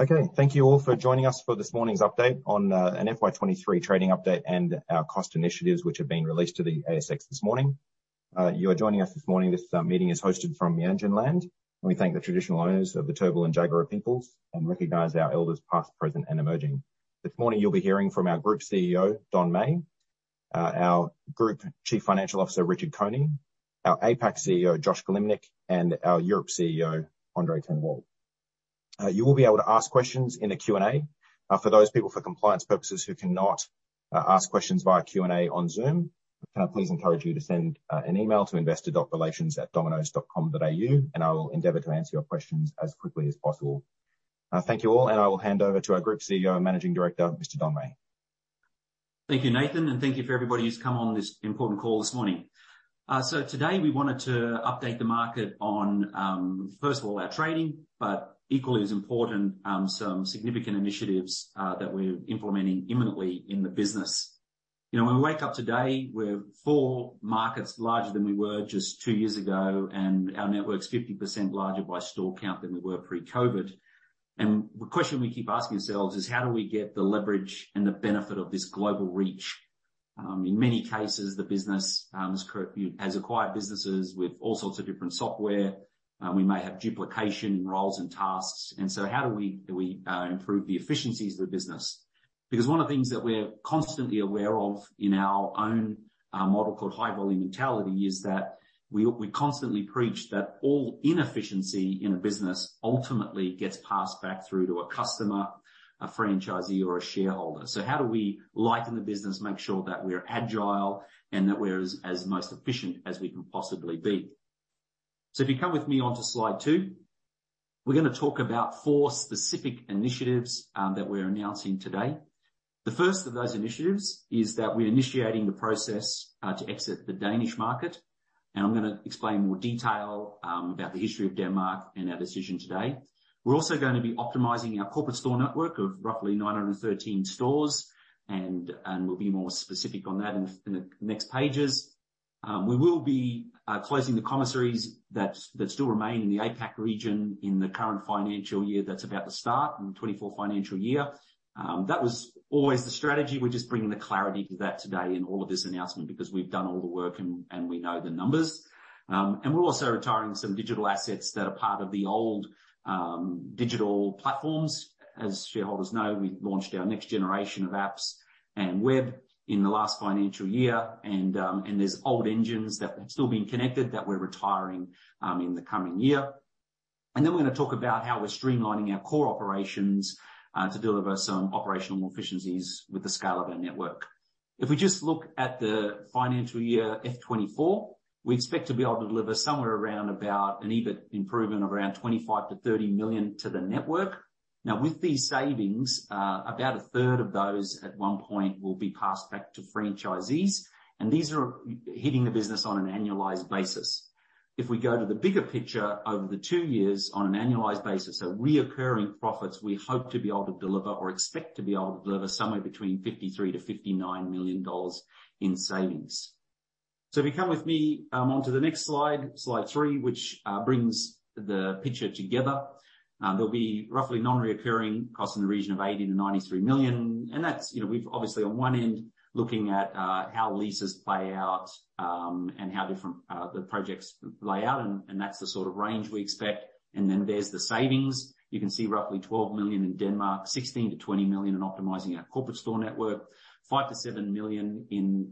Okay, thank you all for joining us for this morning's update on FY23 trading update and our cost initiatives which have been released to the ASX this morning. You are joining us this morning. This meeting is hosted from Meanjin land, and we thank the traditional owners of the Turrbal and Jagera peoples and recognize our elders past, present, and emerging. This morning you'll be hearing from our Group CEO, Don Meij, our Group Chief Financial Officer, Richard Coney, our APAC CEO, Josh Kilimnik, and our Europe CEO, André ten Wolde. You will be able to ask questions in the Q&A. For those people, for compliance purposes, who cannot ask questions via Q&A on Zoom, I can please encourage you to send an email to investor.relations@dominos.com.au, and I will endeavor to answer your questions as quickly as possible. Thank you all, and I will hand over to our Group CEO and Managing Director, Mr. Don Meij. Thank you, Nathan, and thank you for everybody who's come on this important call this morning. So today we wanted to update the market on, first of all, our trading, but equally as important, some significant initiatives that we're implementing imminently in the business. You know, when we wake up today, we're four markets larger than we were just two years ago, and our network's 50% larger by store count than we were pre-COVID. And the question we keep asking ourselves is, how do we get the leverage and the benefit of this global reach? In many cases, the business has acquired businesses with all sorts of different software. We may have duplication roles and tasks. And so how do we improve the efficiencies of the business? Because one of the things that we're constantly aware of in our own model called High-Volume Mentality is that we constantly preach that all inefficiency in a business ultimately gets passed back through to a customer, a franchisee, or a shareholder. So how do we lighten the business, make sure that we're agile and that we're as most efficient as we can possibly be? So if you come with me onto slide two, we're going to talk about four specific initiatives that we're announcing today. The first of those initiatives is that we're initiating the process to exit the Danish market, and I'm going to explain in more detail about the history of Denmark and our decision today. We're also going to be optimizing our corporate store network of roughly 913 stores, and we'll be more specific on that in the next pages. We will be closing the commissaries that still remain in the APAC region in the current financial year that's about to start, in the 24 financial year. That was always the strategy. We're just bringing the clarity to that today in all of this announcement because we've done all the work and we know the numbers, and we're also retiring some digital assets that are part of the old digital platforms. As shareholders know, we launched our next generation of apps and web in the last financial year, and there's old engines that have still been connected that we're retiring in the coming year, and then we're going to talk about how we're streamlining our core operations to deliver some operational efficiencies with the scale of our network. If we just look at the financial year FY24, we expect to be able to deliver somewhere around about an EBIT improvement of around 25 million-30 million to the network. Now, with these savings, about a third of those at one point will be passed back to franchisees, and these are hitting the business on an annualized basis. If we go to the bigger picture over the two years on an annualized basis, so recurring profits, we hope to be able to deliver or expect to be able to deliver somewhere between 53 million to 59 million dollars in savings. So if you come with me onto the next slide, slide three, which brings the picture together, there'll be roughly non-recurring costs in the region of 80 million-93 million. That's, you know, we've obviously, on one end, looking at how leases play out and how different the projects play out, and that's the sort of range we expect. Then there's the savings. You can see roughly 12 million in Denmark, 16-20 million in optimizing our corporate store network, 5-7 million in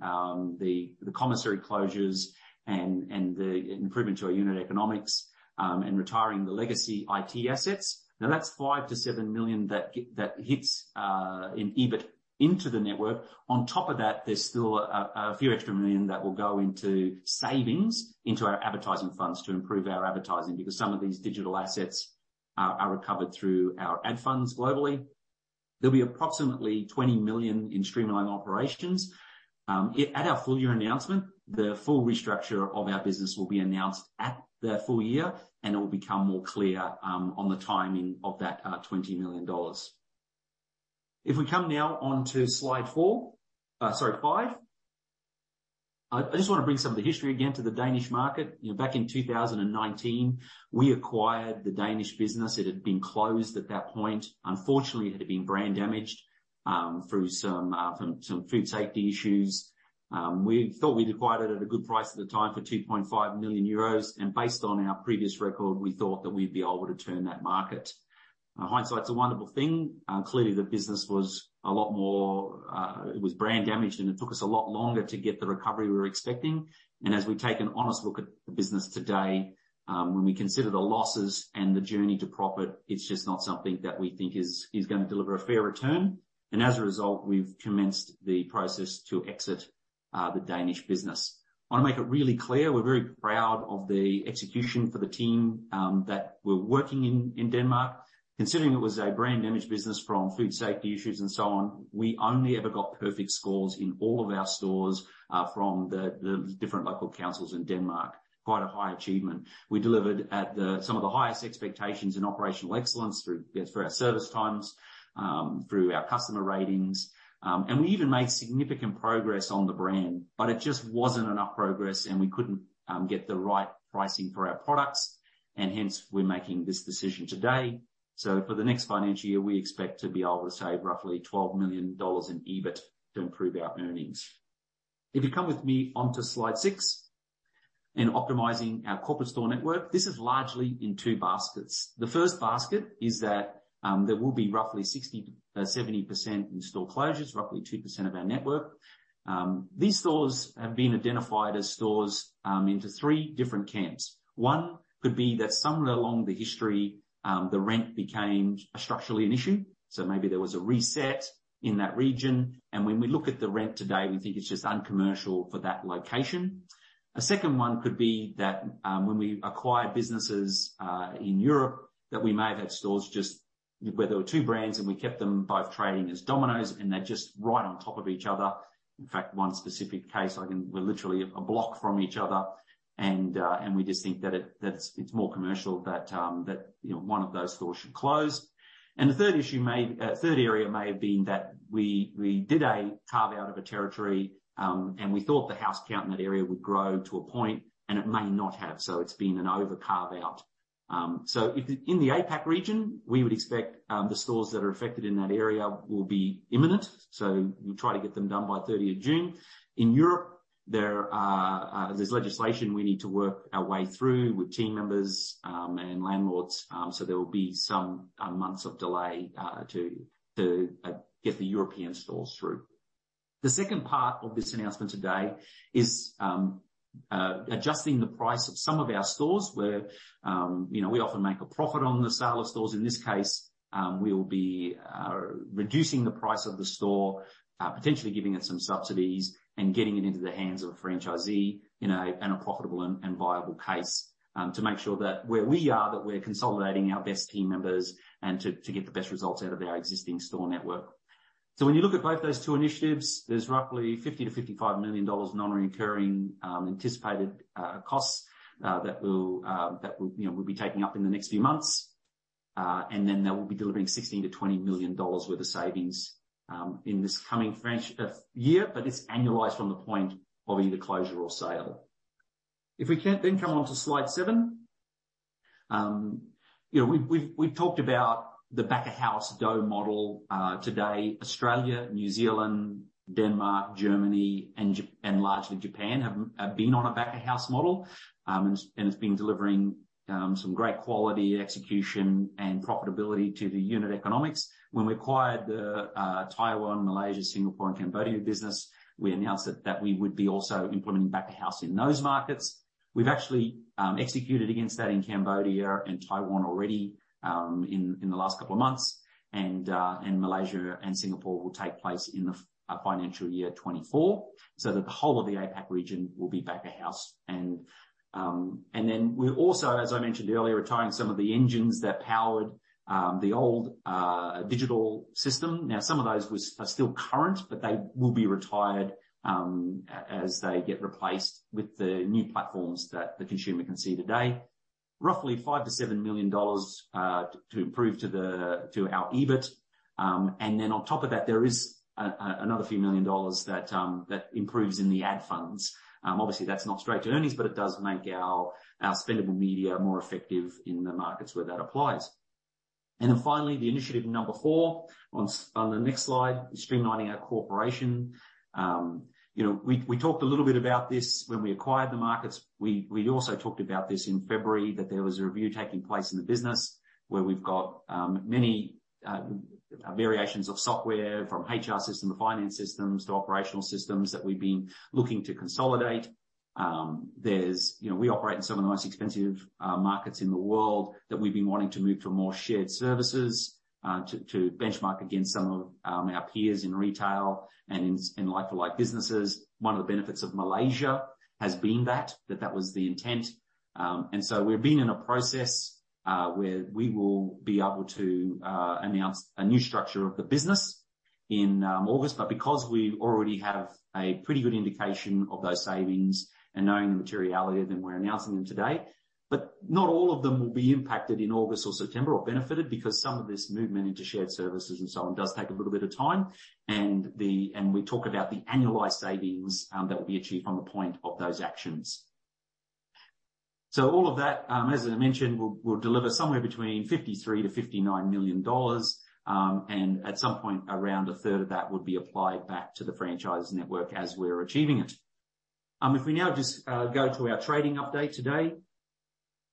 the commissary closures and the improvement to our unit economics and retiring the legacy IT assets. Now, that's 5-7 million that hits in EBIT into the network. On top of that, there's still a few extra million that will go into savings, into our advertising funds to improve our advertising because some of these digital assets are recovered through our ad funds globally. There'll be approximately 20 million in streamlined operations. At our full year announcement, the full restructure of our business will be announced at the full year, and it will become more clear on the timing of that 20 million dollars. If we come now on to slide four, sorry, five, I just want to bring some of the history again to the Danish market. You know, back in 2019, we acquired the Danish business. It had been closed at that point. Unfortunately, it had been brand damaged through some food safety issues. We thought we'd acquired it at a good price at the time for 2.5 million euros, and based on our previous record, we thought that we'd be able to turn that market. Hindsight's a wonderful thing. Clearly, the business was a lot more, it was brand damaged, and it took us a lot longer to get the recovery we were expecting. As we take an honest look at the business today, when we consider the losses and the journey to profit, it's just not something that we think is going to deliver a fair return. And as a result, we've commenced the process to exit the Danish business. I want to make it really clear. We're very proud of the execution for the team that we're working in Denmark. Considering it was a brand damaged business from food safety issues and so on, we only ever got perfect scores in all of our stores from the different local councils in Denmark. Quite a high achievement. We delivered at some of the highest expectations in operational excellence through our service times, through our customer ratings, and we even made significant progress on the brand, but it just wasn't enough progress, and we couldn't get the right pricing for our products. And hence, we're making this decision today. So for the next financial year, we expect to be able to save roughly 12 million dollars in EBIT to improve our earnings. If you come with me onto slide six and optimizing our corporate store network, this is largely in two baskets. The first basket is that there will be roughly 60%-70% in store closures, roughly 2% of our network. These stores have been identified as stores into three different camps. One could be that somewhere along the history, the rent became structurally an issue. So maybe there was a reset in that region, and when we look at the rent today, we think it's just uncommercial for that location. A second one could be that when we acquired businesses in Europe, that we may have had stores just where there were two brands, and we kept them both trading as Domino's, and they're just right on top of each other. In fact, one specific case, we're literally a block from each other, and we just think that it's more commercial that one of those stores should close. And the third area may have been that we did a carve-out of a territory, and we thought the house count in that area would grow to a point, and it may not have. So it's been an over-carve-out. So in the APAC region, we would expect the stores that are affected in that area will be imminent. So we'll try to get them done by 30th of June. In Europe, there's legislation we need to work our way through with team members and landlords, so there will be some months of delay to get the European stores through. The second part of this announcement today is adjusting the price of some of our stores where, you know, we often make a profit on the sale of stores. In this case, we will be reducing the price of the store, potentially giving it some subsidies and getting it into the hands of a franchisee in a profitable and viable case to make sure that where we are, that we're consolidating our best team members and to get the best results out of our existing store network. So when you look at both those two initiatives, there's roughly 50 million-55 million dollars non-recurring anticipated costs that we'll be taking up in the next few months. And then they will be delivering 16 million-20 million dollars worth of savings in this coming year, but it's annualized from the point of either closure or sale. If we can then come on to slide seven, you know, we've talked about the back-of-house dough model today. Australia, New Zealand, Denmark, Germany, and largely Japan have been on a back-of-house model, and it's been delivering some great quality execution and profitability to the unit economics. When we acquired the Taiwan, Malaysia, Singapore, and Cambodia business, we announced that we would be also implementing back-of-house in those markets. We've actually executed against that in Cambodia and Taiwan already in the last couple of months, and Malaysia and Singapore will take place in the financial year 2024 so that the whole of the APAC region will be back-of-house. And then we're also, as I mentioned earlier, retiring some of the engines that powered the old digital system. Now, some of those are still current, but they will be retired as they get replaced with the new platforms that the consumer can see today. Roughly 5-7 million dollars to improve to our EBIT. And then on top of that, there is another few million dollars that improves in the ad funds. Obviously, that's not straight to earnings, but it does make our spendable media more effective in the markets where that applies. And then finally, the initiative number four on the next slide, streamlining our corporation. You know, we talked a little bit about this when we acquired the markets. We also talked about this in February that there was a review taking place in the business where we've got many variations of software from HR system to finance systems to operational systems that we've been looking to consolidate. There's, you know, we operate in some of the most expensive markets in the world that we've been wanting to move to more shared services to benchmark against some of our peers in retail and in like-for-like businesses. One of the benefits of Malaysia has been that that was the intent. And so we've been in a process where we will be able to announce a new structure of the business in August, but because we already have a pretty good indication of those savings and knowing the materiality, then we're announcing them today. Not all of them will be impacted in August or September or benefited because some of this movement into shared services and so on does take a little bit of time. We talk about the annualized savings that will be achieved from the point of those actions. All of that, as I mentioned, will deliver somewhere between 53 million and 59 million dollars, and at some point, around a third of that would be applied back to the franchise network as we're achieving it. If we now just go to our trading update today,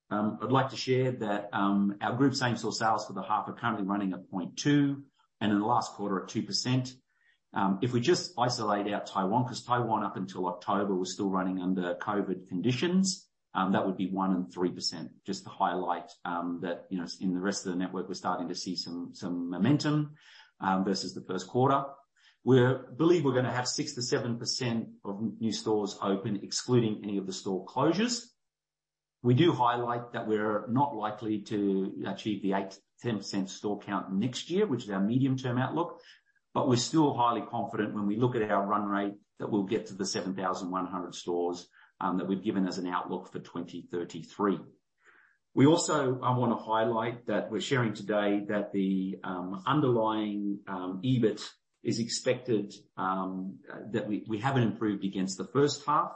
I'd like to share that our group same-store sales for the half are currently running at 0.2% and in the last quarter at 2%. If we just isolate out Taiwan, because Taiwan up until October was still running under COVID conditions, that would be 1% and 3%. Just to highlight that, you know, in the rest of the network, we're starting to see some momentum versus the first quarter. We believe we're going to have 6%-7% of new stores open, excluding any of the store closures. We do highlight that we're not likely to achieve the 8%-10% store count next year, which is our medium-term outlook, but we're still highly confident when we look at our run rate that we'll get to the 7,100 stores that we've given as an outlook for 2033. We also want to highlight that we're sharing today that the underlying EBIT is expected that we haven't improved against the first half.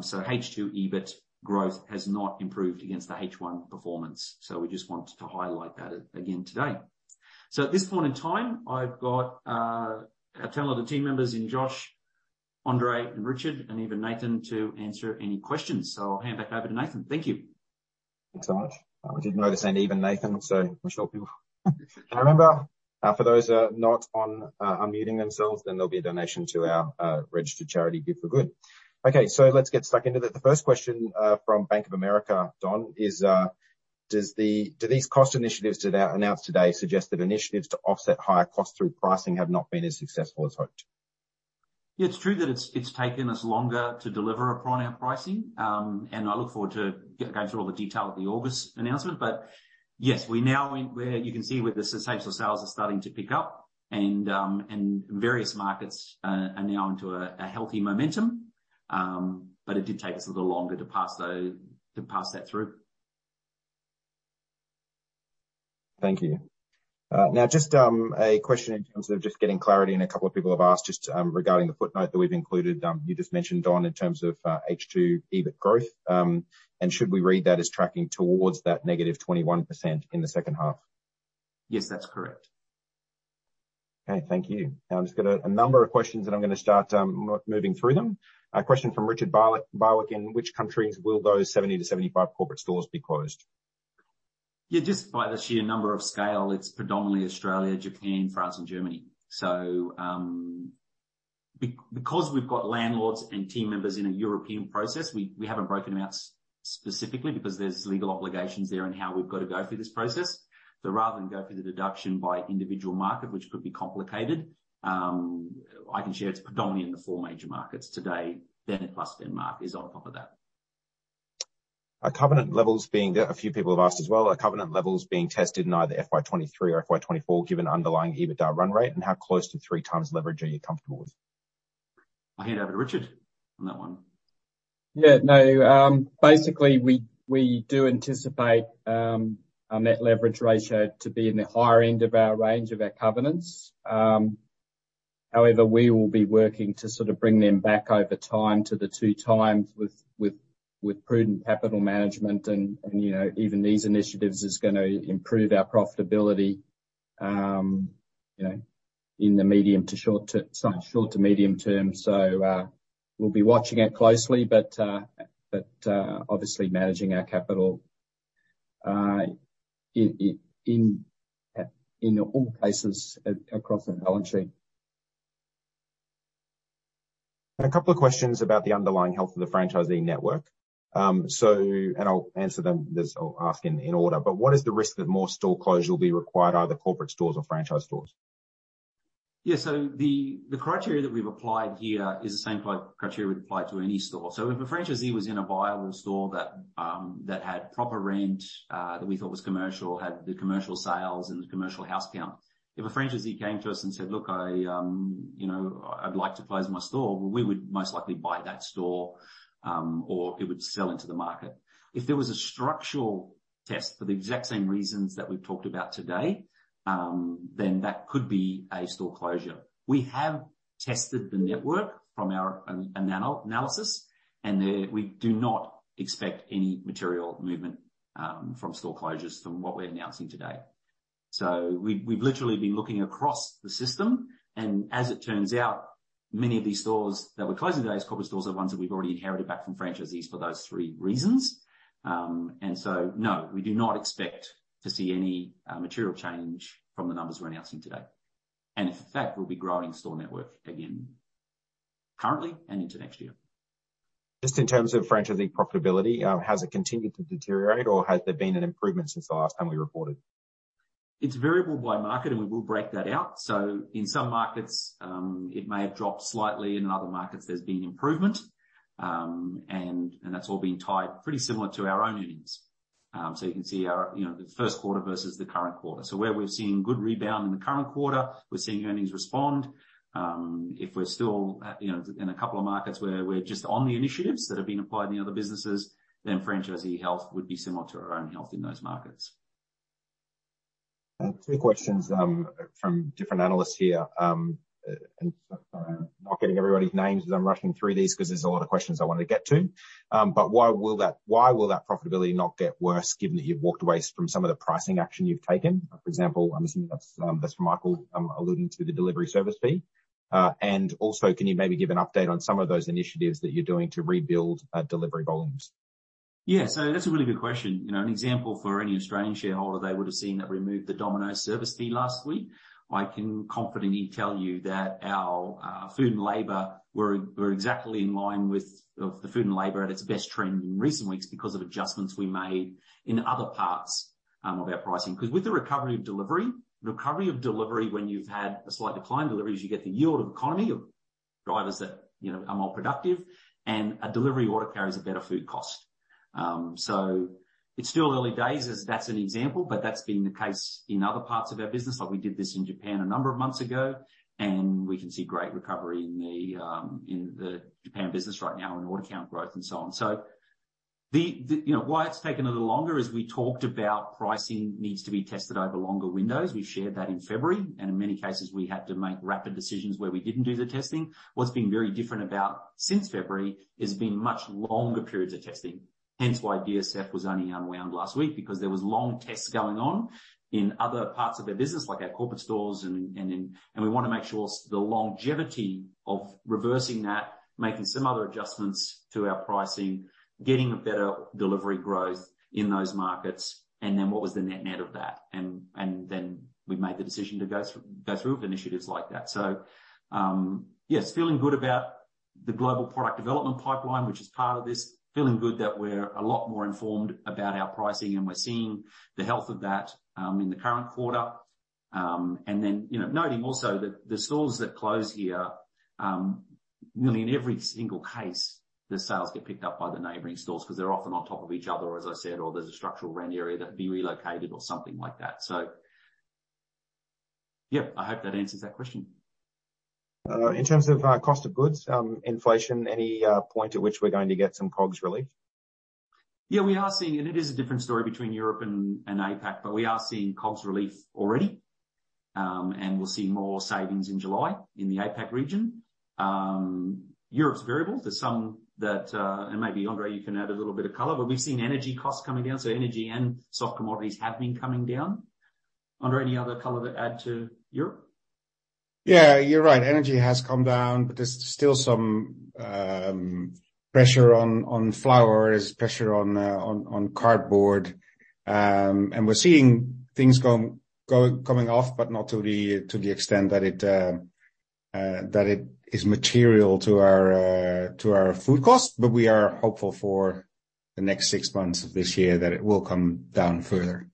So H2 EBIT growth has not improved against the H1 performance. So we just want to highlight that again today. So at this point in time, I've got all of the team members, including Josh, Andre and Richard, and even Nathan to answer any questions. So I'll hand back over to Nathan. Thank you. Thanks so much. I didn't notice anyone, Nathan, so I'm sure people remember. For those that are not unmuting themselves, then there'll be a donation to our registered charity Give for Good. Okay, so let's get stuck into that. The first question from Bank of America, Don, is: Do these cost initiatives announced today suggest that initiatives to offset higher costs through pricing have not been as successful as hoped? Yeah, it's true that it's taken us longer to deliver upon our pricing, and I look forward to going through all the detail of the August announcement. But yes, we now, you can see where the same-store sales are starting to pick up, and various markets are now into a healthy momentum, but it did take us a little longer to pass that through. Thank you. Now, just a question in terms of just getting clarity, and a couple of people have asked just regarding the footnote that we've included. You just mentioned, Don, in terms of H2 EBIT growth, and should we read that as tracking towards that -21% in the second half? Yes, that's correct. Okay, thank you. Now, I'm just going to a number of questions, and I'm going to start moving through them. A question from Richard Barwick: In which countries will those 70-75 corporate stores be closed? Yeah, just by the sheer number of scale, it's predominantly Australia, Japan, France, and Germany. Because we've got landlords and team members in a European process, we haven't broken them out specifically because there's legal obligations there and how we've got to go through this process. Rather than go through the deduction by individual market, which could be complicated, I can share it's predominantly in the four major markets today. Then plus Denmark is on top of that. Are covenant levels being, a few people have asked as well, are covenant levels being tested in either FY23 or FY24 given underlying EBITDA run rate? And how close to three times leverage are you comfortable with? I'll hand over to Richard on that one. Yeah, no, basically we do anticipate our net leverage ratio to be in the higher end of our range of our covenants. However, we will be working to sort of bring them back over time to the two times with prudent capital management, and you know, even these initiatives are going to improve our profitability, you know, in the medium to short to medium term. So we'll be watching it closely, but obviously managing our capital in all cases across the balance sheet. A couple of questions about the underlying health of the franchisee network. So, and I'll answer them, I'll ask in order, but what is the risk that more store closure will be required, either corporate stores or franchise stores? Yeah, so the criteria that we've applied here is the same criteria we'd apply to any store. So if a franchisee was in a viable store that had proper rent that we thought was commercial, had the commercial sales and the commercial house count, if a franchisee came to us and said, "Look, you know, I'd like to close my store," we would most likely buy that store or it would sell into the market. If there was a structural test for the exact same reasons that we've talked about today, then that could be a store closure. We have tested the network from our analysis, and we do not expect any material movement from store closures from what we're announcing today. So we've literally been looking across the system, and as it turns out, many of these stores that we're closing today, these corporate stores are the ones that we've already inherited back from franchisees for those three reasons. And so no, we do not expect to see any material change from the numbers we're announcing today. And in fact, we'll be growing store network again currently and into next year. Just in terms of franchisee profitability, has it continued to deteriorate or has there been an improvement since the last time we reported? It's variable by market, and we will break that out. So in some markets, it may have dropped slightly. In other markets, there's been improvement, and that's all been tied pretty similar to our own earnings. So you can see our, you know, the first quarter versus the current quarter. So where we're seeing good rebound in the current quarter, we're seeing earnings respond. If we're still, you know, in a couple of markets where we're just on the initiatives that have been applied in the other businesses, then franchisee health would be similar to our own health in those markets. Two questions from different analysts here, and sorry, I'm not getting everybody's names as I'm rushing through these because there's a lot of questions I want to get to, but why will that profitability not get worse given that you've walked away from some of the pricing action you've taken? For example, I'm assuming that's from Michael alluding to the delivery service fee. And also, can you maybe give an update on some of those initiatives that you're doing to rebuild delivery volumes? Yeah, so that's a really good question. You know, an example for any Australian shareholder, they would have seen that we removed the Domino's Service Fee last week. I can confidently tell you that our food and labor were exactly in line with the food and labor at its best trend in recent weeks because of adjustments we made in other parts of our pricing. Because with the recovery of delivery, recovery of delivery when you've had a slight decline in deliveries, you get the yield of economy of drivers that, you know, are more productive, and a delivery order carries a better food cost. So it's still early days as that's an example, but that's been the case in other parts of our business. Like we did this in Japan a number of months ago, and we can see great recovery in the Japan business right now in order count growth and so on. So the, you know, why it's taken a little longer is we talked about pricing needs to be tested over longer windows. We shared that in February, and in many cases, we had to make rapid decisions where we didn't do the testing. What's been very different about since February is there's been much longer periods of testing, hence why DSF was only unwound last week, because there were long tests going on in other parts of our business, like our corporate stores. And we want to make sure the longevity of reversing that, making some other adjustments to our pricing, getting a better delivery growth in those markets, and then what was the net net of that. And then we made the decision to go through with initiatives like that. So yes, feeling good about the global product development pipeline, which is part of this, feeling good that we're a lot more informed about our pricing and we're seeing the health of that in the current quarter. And then, you know, noting also that the stores that close here, nearly in every single case, the sales get picked up by the neighboring stores because they're often on top of each other, as I said, or there's a structural rent area that could be relocated or something like that. So yeah, I hope that answers that question. In terms of cost of goods, inflation, any point at which we're going to get some COGS relief? Yeah, we are seeing, and it is a different story between Europe and APAC, but we are seeing COGS relief already, and we'll see more savings in July in the APAC region. Europe's variable. There's some that, and maybe Andre, you can add a little bit of color, but we've seen energy costs coming down. So energy and soft commodities have been coming down. Andre, any other color to add to Europe? Yeah, you're right. Energy has come down, but there's still some pressure on flour, pressure on cardboard. And we're seeing things coming off, but not to the extent that it is material to our food cost, but we are hopeful for the next six months of this year that it will come down further.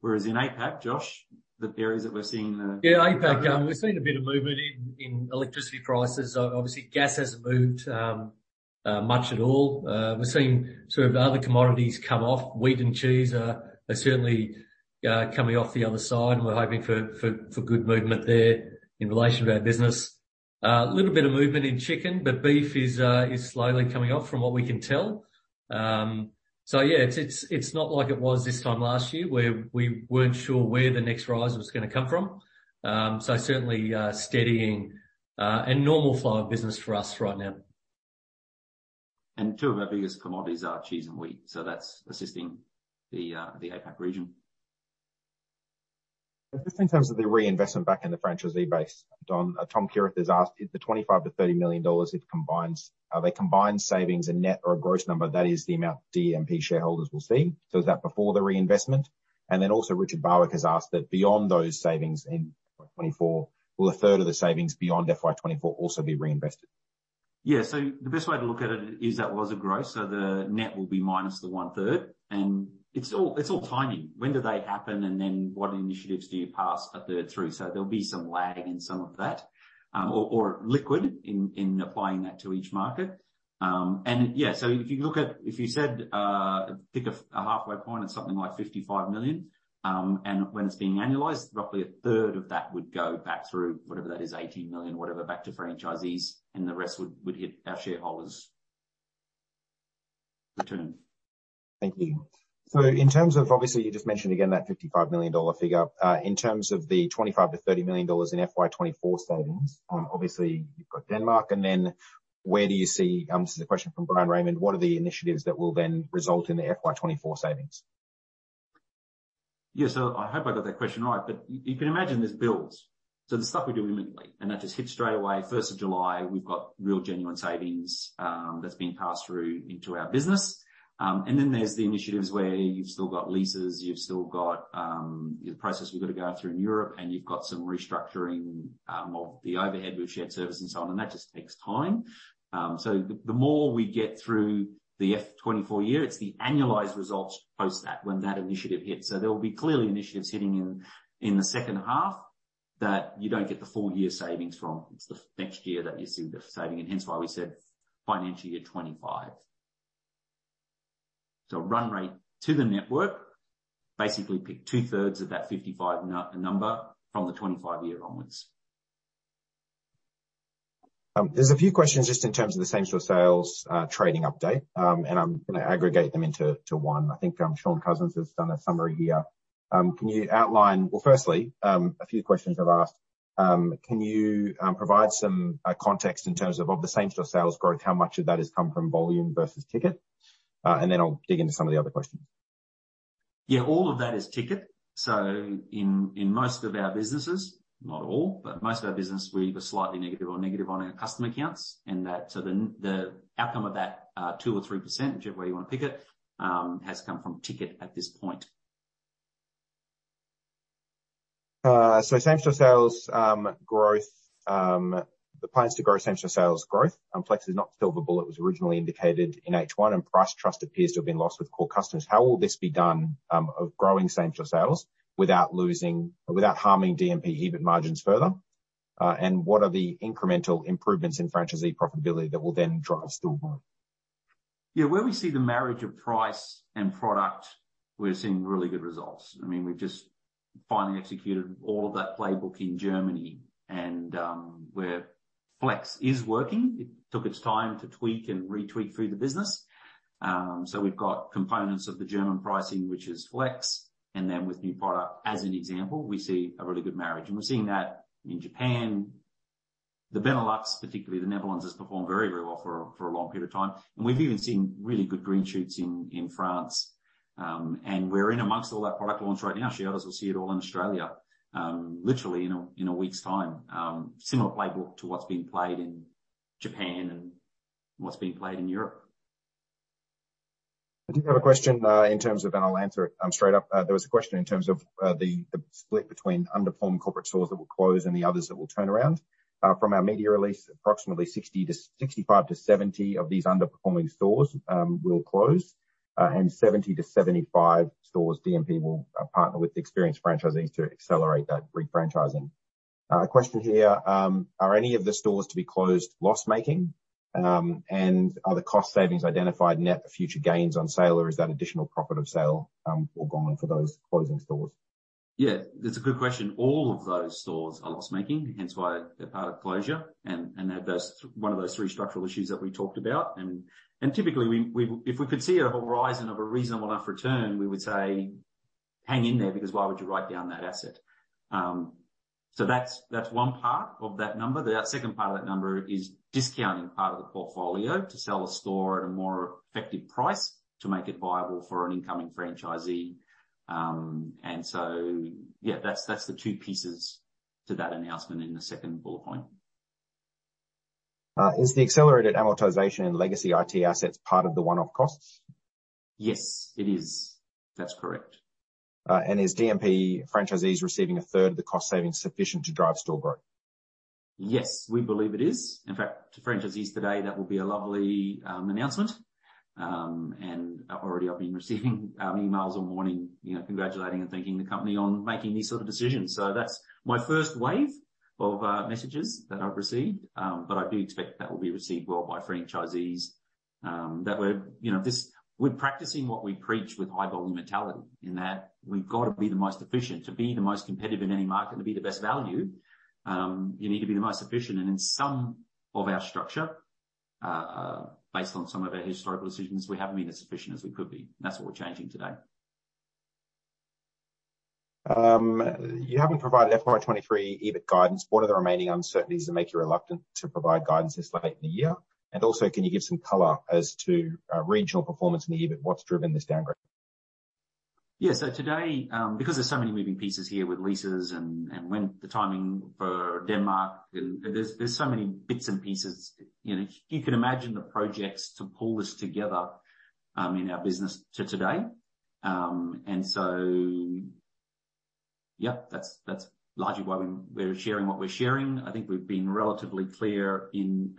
Whereas in APAC, Josh. Yeah, APAC, we've seen a bit of movement in electricity prices. Obviously, gas hasn't moved much at all. We're seeing sort of other commodities come off. Wheat and cheese are certainly coming off the other side, and we're hoping for good movement there in relation to our business. A little bit of movement in chicken, but beef is slowly coming off from what we can tell. So yeah, it's not like it was this time last year where we weren't sure where the next rise was going to come from. Certainly steadying and normal flow of business for us right now. Two of our biggest commodities are cheese and wheat. That's assisting the APAC region. Just in terms of the reinvestment back in the franchisee base, Don, Tom Kierath has asked, is the 25 million-30 million dollars if combined, are they combined savings and net or a gross number that is the amount DMP shareholders will see? So is that before the reinvestment? Also Richard Barwick has asked that beyond those savings in FY 2024, will a third of the savings beyond FY 2024 also be reinvested? Yeah, so the best way to look at it is that was a gross. So the net will be minus the one third, and it's all timing. When do they happen and then what initiatives do you pass a third through? So there'll be some lag in some of that or liquid in applying that to each market. And yeah, so if you look at, if you said pick a halfway point at something like 55 million, and when it's being annualized, roughly a third of that would go back through whatever that is, 18 million, whatever, back to franchisees, and the rest would hit our shareholders' return. Thank you. So in terms of, obviously you just mentioned again that 55 million dollar figure, in terms of the 25 million-30 million dollars in FY24 savings, obviously you've got Denmark, and then where do you see, this is a question from Bryan Raymond, what are the initiatives that will then result in the FY24 savings? Yeah, so I hope I got that question right, but you can imagine there's bills. So the stuff we do immediately, and that just hits straight away, first of July, we've got real genuine savings that's being passed through into our business. And then there's the initiatives where you've still got leases, you've still got the process we've got to go through in Europe, and you've got some restructuring of the overhead with shared service and so on, and that just takes time. So the more we get through the FY 2024 year, it's the annualized results post that when that initiative hits. So there will be clearly initiatives hitting in the second half that you don't get the full year savings from. It's the next year that you see the saving, and hence why we said FY 2025. Run rate to the network basically picked two thirds of that 55 number from the 2025 year onwards. There are a few questions just in terms of the same store sales trading update, and I'm going to aggregate them into one. I think Shaun Cousins has done a summary here. Can you outline? Well, firstly, a few questions I've asked. Can you provide some context in terms of the same store sales growth, how much of that has come from volume versus ticket? And then I'll dig into some of the other questions. Yeah, all of that is ticket. So in most of our businesses, not all, but most of our business, we were slightly negative or negative on our customer counts, and that the outcome of that 2% or 3%, whichever way you want to pick it, has come from ticket at this point. Same-store sales growth, the plans to grow same-store sales growth, Flex is not silver bullet, was originally indicated in H1, and price trust appears to have been lost with core customers. How will this be done of growing same-store sales without losing, without harming DMP EBIT margins further? And what are the incremental improvements in franchisee profitability that will then drive store growth? Yeah, where we see the marriage of price and product, we're seeing really good results. I mean, we've just finally executed all of that playbook in Germany, and where Flex is working, it took its time to tweak and retweak through the business. So we've got components of the German pricing, which is Flex, and then with new product as an example, we see a really good marriage. We're seeing that in Japan, the Benelux, particularly the Netherlands, has performed very, very well for a long period of time. We've even seen really good green shoots in France. We're in amongst all that product launch right now. Shareholders will see it all in Australia, literally in a week's time. Similar playbook to what's being played in Japan and what's being played in Europe. I do have a question in terms of, and I'll answer it straight up. There was a question in terms of the split between underperforming corporate stores that will close and the others that will turn around. From our media release, approximately 65-70 of these underperforming stores will close, and 70-75 stores DMP will partner with experienced franchisees to accelerate that refranchising. A question here, are any of the stores to be closed loss-making? Are the cost savings identified net for future gains on sale, or is that additional profit of sale all gone for those closing stores? Yeah, that's a good question. All of those stores are loss-making, hence why they're part of closure. They're one of those three structural issues that we talked about. Typically, if we could see a horizon of a reasonable enough return, we would say, hang in there because why would you write down that asset? So that's one part of that number. The second part of that number is discounting part of the portfolio to sell a store at a more effective price to make it viable for an incoming franchisee. So yeah, that's the two pieces to that announcement in the second bullet point. Is the accelerated amortization in legacy IT assets part of the one-off costs? Yes, it is. That's correct. And is DMP franchisees receiving a third of the cost savings sufficient to drive store growth? Yes, we believe it is. In fact, to franchisees today, that will be a lovely announcement. And already I've been receiving emails all morning, you know, congratulating and thanking the company on making these sort of decisions. So that's my first wave of messages that I've received, but I do expect that will be received well by franchisees. That we're, you know, practicing what we preach with high-volume mentality in that we've got to be the most efficient to be the most competitive in any market and to be the best value. You need to be the most efficient. And in some of our structure, based on some of our historical decisions, we haven't been as efficient as we could be. That's what we're changing today. You haven't provided FY 2023 EBIT guidance. What are the remaining uncertainties that make you reluctant to provide guidance this late in the year? And also, can you give some color as to regional performance in the EBIT? What's driven this downgrade? Yeah, so today, because there's so many moving pieces here with leases and when the timing for Denmark, and there's so many bits and pieces, you know, you can imagine the projects to pull this together in our business to today. And so, yep, that's largely why we're sharing what we're sharing. I think we've been relatively clear in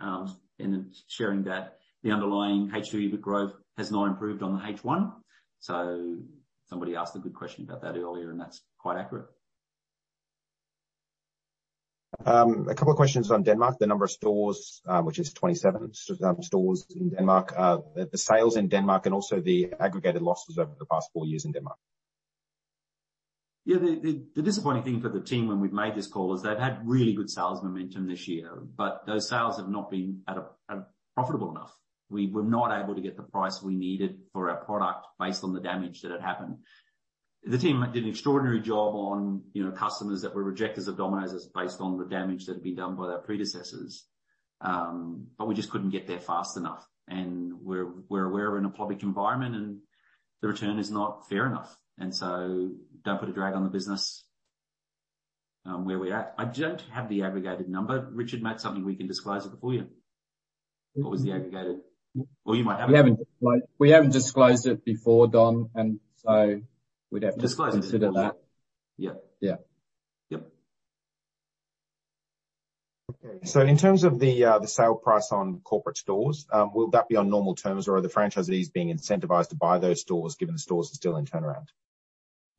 sharing that the underlying H2 EBIT growth has not improved on the H1. So somebody asked a good question about that earlier, and that's quite accurate. A couple of questions on Denmark, the number of stores, which is 27 stores in Denmark, the sales in Denmark and also the aggregated losses over the past four years in Denmark. Yeah, the disappointing thing for the team when we've made this call is they've had really good sales momentum this year, but those sales have not been profitable enough. We were not able to get the price we needed for our product based on the damage that had happened. The team did an extraordinary job on, you know, customers that were rejectors of Domino's based on the damage that had been done by their predecessors, but we just couldn't get there fast enough. And we're aware we're in a public environment and the return is not fair enough. And so don't put a drag on the business where we're at. I don't have the aggregated number. Richard, that's something we can disclose before you. What was the aggregated? Or you might have it? We haven't disclosed it before, Don, and so we'd have to consider that. Disclosed it before. Yeah. Yeah. Yep. Okay, so in terms of the sale price on corporate stores, will that be on normal terms or are the franchisees being incentivized to buy those stores given the stores are still in turnaround?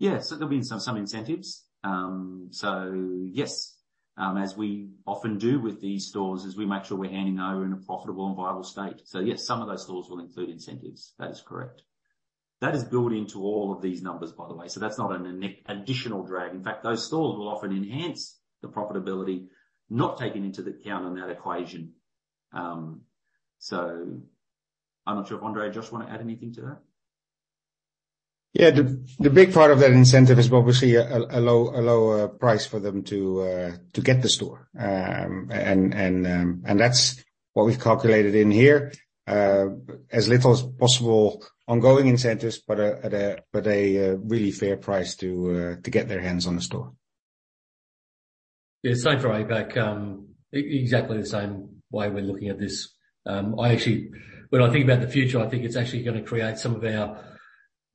Yeah, so there'll be some incentives. So yes, as we often do with these stores, as we make sure we're handing over in a profitable and viable state. So yes, some of those stores will include incentives. That is correct. That is built into all of these numbers, by the way. So that's not an additional drag. In fact, those stores will often enhance the profitability, not taken into account on that equation. I'm not sure if Andre, Josh, want to add anything to that? Yeah, the big part of that incentive is obviously a lower price for them to get the store. And that's what we've calculated in here, as little as possible ongoing incentives, but at a really fair price to get their hands on a store. Yeah, same for APAC. Exactly the same way we're looking at this. I actually, when I think about the future, I think it's actually going to create some of our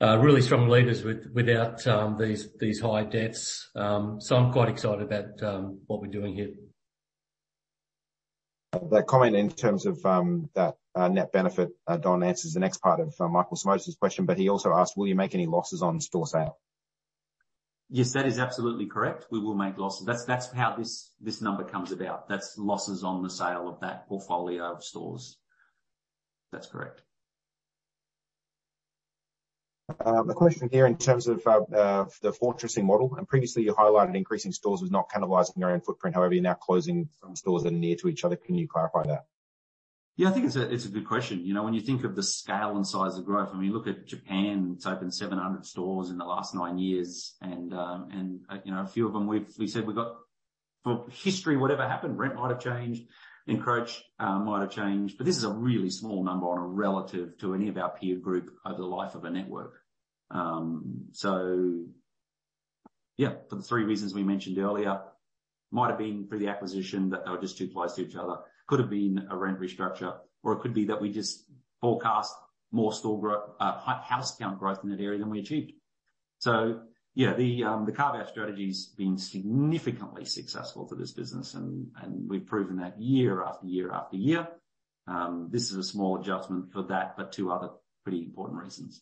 really strong leaders without these high debts. So I'm quite excited about what we're doing here. That comment in terms of that net benefit, Don, answers the next part of Michael Simotas' question, but he also asked, will you make any losses on store sale? Yes, that is absolutely correct. We will make losses. That's how this number comes about. That's losses on the sale of that portfolio of stores. That's correct. A question here in terms of the fortressing model. And previously you highlighted increasing stores was not cannibalizing your own footprint. However, you're now closing some stores that are near to each other. Can you clarify that? Yeah, I think it's a good question. You know, when you think of the scale and size of growth, I mean, look at Japan, it's opened 700 stores in the last nine years. And you know, a few of them, we said we've got for history, whatever happened, rent might have changed, encroach might have changed. But this is a really small number relative to any of our peer group over the life of a network. So yeah, for the three reasons we mentioned earlier, might have been through the acquisition that they were just too close to each other. Could have been a rent restructure, or it could be that we just forecast more store growth, store count growth in that area than we achieved. So yeah, the carve-out strategy has been significantly successful for this business, and we've proven that year after year after year. This is a small adjustment for that, but two other pretty important reasons.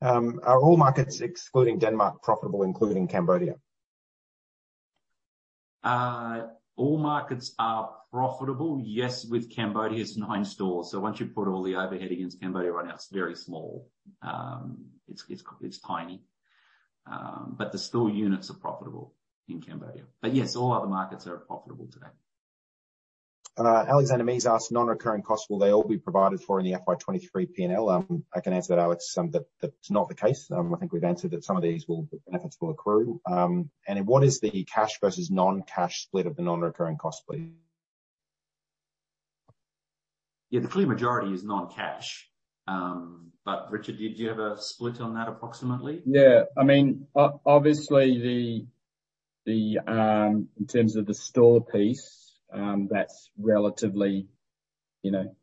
Are all markets, excluding Denmark, profitable, including Cambodia? All markets are profitable, yes, with Cambodia's nine stores. So once you put all the overhead against Cambodia right now, it's very small. It's tiny. But the store units are profitable in Cambodia. But yes, all other markets are profitable today. Alexander Mees asked, non-recurring costs, will they all be provided for in the FY 2023 P&L? I can answer that, Alex. That's not the case. I think we've answered that some of these benefits will accrue. And what is the cash versus non-cash split of the non-recurring cost, please? Yeah, the clear majority is non-cash. But Richard, did you have a split on that approximately? Yeah, I mean, obviously in terms of the store piece, that's relatively, you know,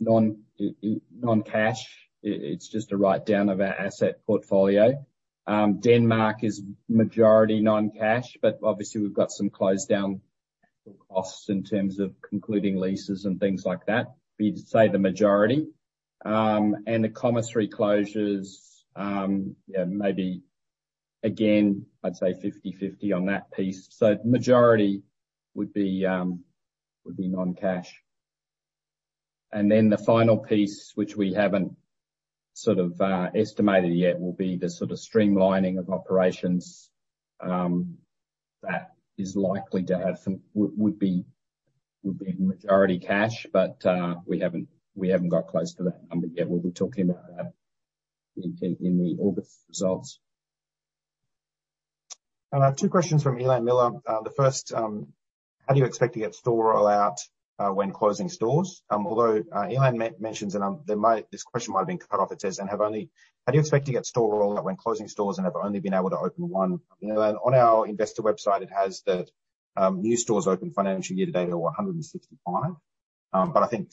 non-cash. It's just a write-down of our asset portfolio. Denmark is majority non-cash, but obviously we've got some closed-down actual costs in terms of concluding leases and things like that. We'd say the majority. And the commissary closures, yeah, maybe again, I'd say 50-50 on that piece. So the majority would be non-cash. And then the final piece, which we haven't sort of estimated yet, will be the sort of streamlining of operations that is likely to have some would be majority cash, but we haven't got close to that number yet. We'll be talking about that in the August results. Two questions from [Elaine Miller.] The first, how do you expect to get store rollout when closing stores? Although [Elaine] mentions this question might have been cut off, it says, and have only how do you expect to get store rollout when closing stores and have only been able to open one? On our investor website, it has that new stores opened financial year to date are 165. But I think,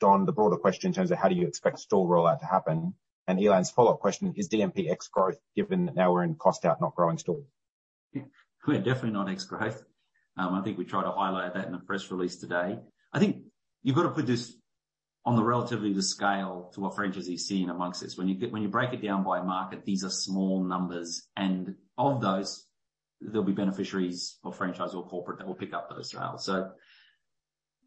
Don, the broader question in terms of how do you expect store rollout to happen? [Elaine's] follow-up question is DMP ex-growth, given that now we're in cost out, not growing stores? Yeah, definitely not ex-growth. I think we tried to highlight that in the press release today. I think you've got to put this on the relativity of the scale to what franchisees see amongst this. When you break it down by market, these are small numbers. And of those, there'll be beneficiaries or franchise or corporate that will pick up those sales. So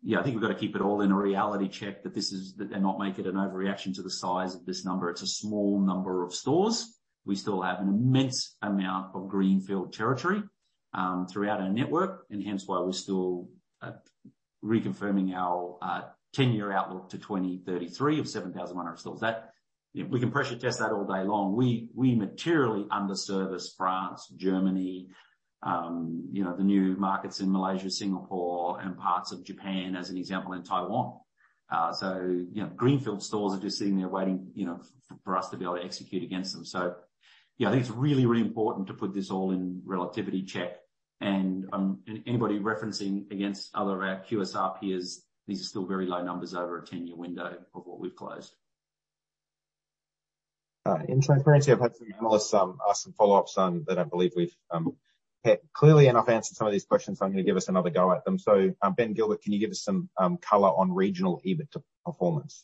yeah, I think we've got to keep it all in a reality check that this is that they're not making an overreaction to the size of this number. It's a small number of stores. We still have an immense amount of greenfield territory throughout our network, and hence why we're still reconfirming our 10-year outlook to 2033 of 7,100 stores. We can pressure test that all day long. We materially underservice France, Germany, you know, the new markets in Malaysia, Singapore, and parts of Japan, as an example, and Taiwan. Greenfield stores are just sitting there waiting, you know, for us to be able to execute against them. Yeah, I think it's really, really important to put this all in reality check. Anybody referencing against other of our QSR peers, these are still very low numbers over a 10-year window of what we've closed. In transparency, I've had some analysts ask some follow-ups on that I believe we've clearly enough answered some of these questions, so I'm going to give us another go at them. Ben Gilbert, can you give us some color on regional EBIT performance?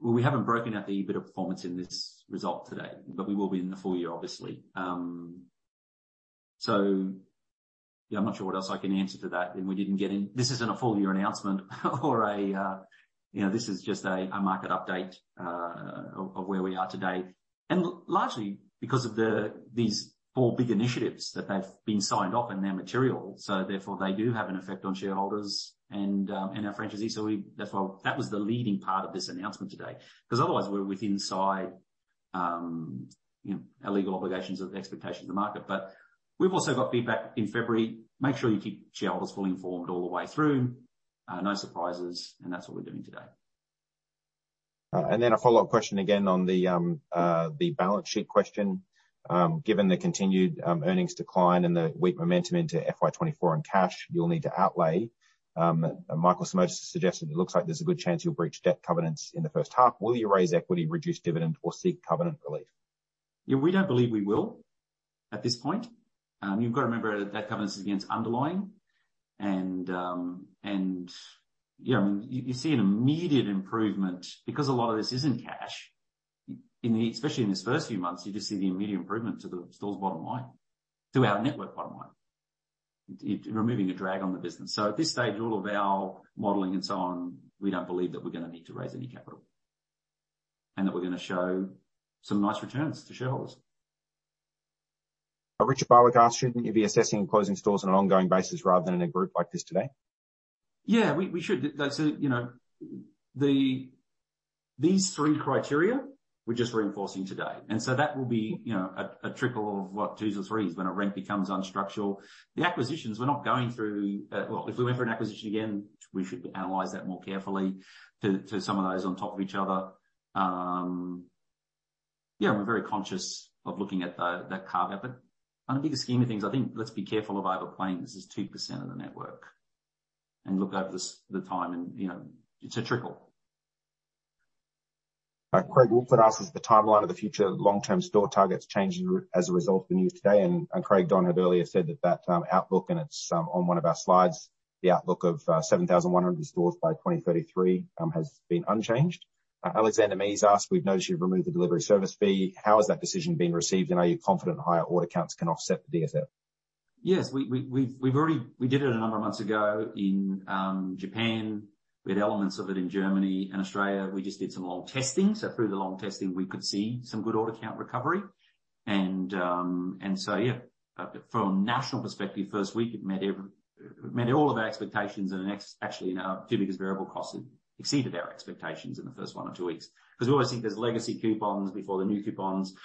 We haven't broken out the EBIT performance in this result today, but we will be in the full year, obviously. So yeah, I'm not sure what else I can answer to that. And we didn't get into this. This isn't a full year announcement or a, you know, this is just a market update of where we are today. And largely because of these four big initiatives that they've been signed off and they're material. So therefore, they do have an effect on shareholders and our franchisees. So that was the leading part of this announcement today. Because otherwise, we're within, aside, you know, our legal obligations and expectations of the market. But we've also got feedback in February. Make sure you keep shareholders fully informed all the way through. No surprises. And that's what we're doing today. And then a follow-up question again on the balance sheet question. Given the continued earnings decline and the weak momentum into FY 2024 and cash, you'll need to outlay. Michael Simotas suggested it looks like there's a good chance you'll breach debt covenants in the first half. Will you raise equity, reduce dividend, or seek covenant relief? Yeah, we don't believe we will at this point. You've got to remember that that covenant is against underlying. And yeah, I mean, you see an immediate improvement because a lot of this isn't cash. Especially in this first few months, you just see the immediate improvement to the store's bottom line, to our network bottom line, removing a drag on the business. So at this stage, all of our modeling and so on, we don't believe that we're going to need to raise any capital and that we're going to show some nice returns to shareholders. Richard Barwick, can I ask you, are you assessing closing stores on an ongoing basis rather than in a group like this today? Yeah, we should. You know, these three criteria we're just reinforcing today. That will be, you know, a trickle of what 2s or 3s when rent becomes unsustainable. The acquisitions, we're not going through. Well, if we went for an acquisition again, we should analyze that more carefully to some of those on top of each other. Yeah, we're very conscious of looking at that carve-out. But on a bigger scheme of things, I think let's be careful of overplaying this as 2% of the network and look at it over time and, you know, it's a trickle. Craig, will you walk us through the timeline of the future long-term store targets changing as a result of the news today? Craig, Don had earlier said that that outlook, and it's on one of our slides. The outlook of 7,100 stores by 2033 has been unchanged. Alexander Mees asked, "We've noticed you've removed the delivery service fee. How has that decision been received? And are you confident higher order counts can offset the DSF?" Yes, we've already did it a number of months ago in Japan. We had elements of it in Germany and Australia. We just did some long testing. So through the long testing, we could see some good order count recovery. And so yeah, from a national perspective, first week, it met all of our expectations. And actually, in our two biggest variable costs, it exceeded our expectations in the first one or two weeks. Because we always think there's legacy coupons before the new coupons.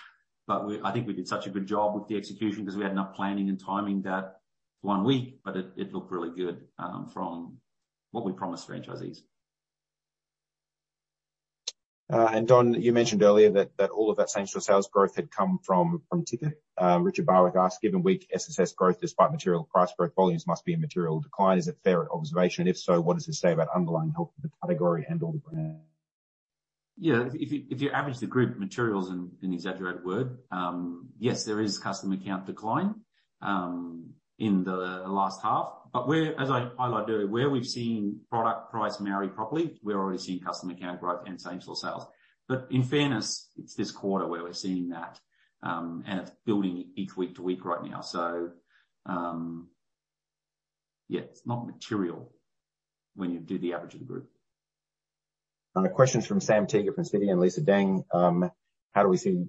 But I think we did such a good job with the execution because we had enough planning and timing that one week, but it looked really good from what we promised franchisees. And Don, you mentioned earlier that all of that same store sales growth had come from ticket. Richard Barwick, given weak SSS growth, despite material price growth, volumes must be in material decline. Is it fair observation? And if so, what does it say about underlying health of the category and all the brand? Yeah, if you average the group, materially and aggregate-wide, yes, there is customer count decline in the last half. But as I highlighted earlier, where we've seen product price mix properly, we're already seeing customer count growth and same store sales. But in fairness, it's this quarter where we're seeing that. And it's building each week to week right now. So yeah, it's not material when you do the average of the group. Questions from Sam Teeger from Citi and Lisa Deng. How do we see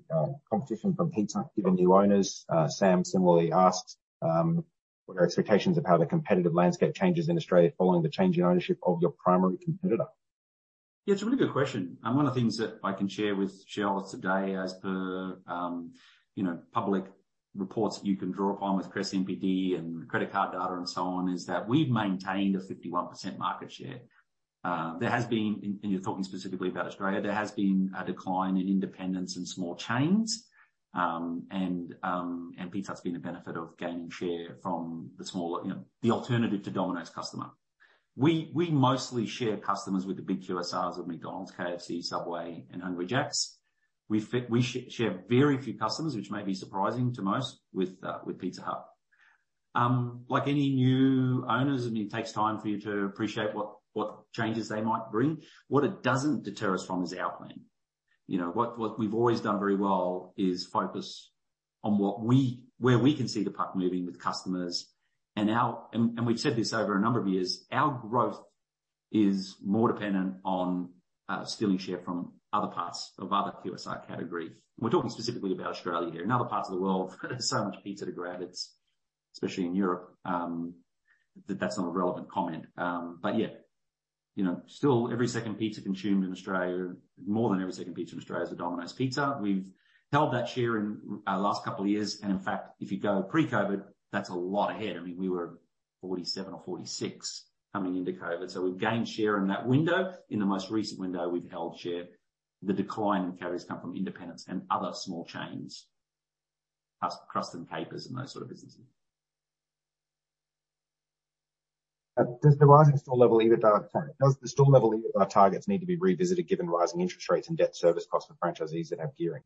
competition from Pizza Hut given new owners? Sam similarly asked, what are expectations of how the competitive landscape changes in Australia following the change in ownership of your primary competitor? Yeah, it's a really good question. One of the things that I can share with shareholders today as per, you know, public reports that you can draw upon with CREST, NPD, and credit card data and so on is that we've maintained a 51% market share. There has been, and you're talking specifically about Australia, there has been a decline in independents and small chains. And Pizza Hut's been a benefit of gaining share from the small, you know, the alternative to Domino's customer. We mostly share customers with the big QSRs of McDonald's, KFC, Subway, and Hungry Jack's. We share very few customers, which may be surprising to most with Pizza Hut. Like any new owners, I mean, it takes time for you to appreciate what changes they might bring. What it doesn't deter us from is our plan. You know, what we've always done very well is focus on where we can see the puck moving with customers. And we've said this over a number of years, our growth is more dependent on stealing share from other parts of other QSR categories. We're talking specifically about Australia here. In other parts of the world, there's so much pizza to grab, especially in Europe, that that's not a relevant comment. But yeah, you know, still every second pizza consumed in Australia, more than every second pizza in Australia is a Domino's pizza. We've held that share in our last couple of years. And in fact, if you go pre-COVID, that's a lot ahead. I mean, we were 47 or 46 coming into COVID. So we've gained share in that window. In the most recent window, we've held share. The decline in categories comes from independents and other small chains, CREST and Capers and those sort of businesses. Does the rising store level EBITDA targets need to be revisited given rising interest rates and debt service costs for franchisees that have gearing?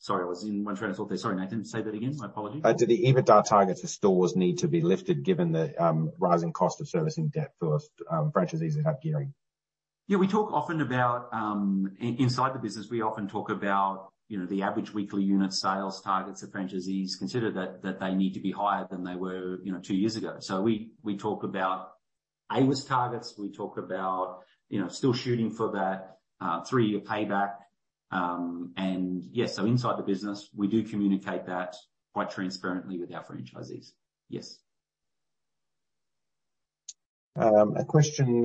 Sorry, I was in one train of thought there. Sorry, Nathan, say that again. My apologies. Do the EBITDA targets for stores need to be lifted given the rising cost of servicing debt for franchisees that have gearing? Yeah, we talk often about inside the business, we often talk about, you know, the average weekly unit sales targets of franchisees consider that they need to be higher than they were, you know, two years ago. So we talk about AWUS targets. We talk about, you know, still shooting for that three-year payback. And yes, so inside the business, we do communicate that quite transparently with our franchisees. Yes. A question